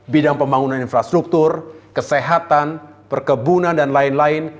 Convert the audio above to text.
bidang pembangunan infrastruktur kesehatan perkebunan dan lain lain